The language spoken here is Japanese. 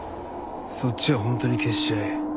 そっちは本当に消しちゃえ。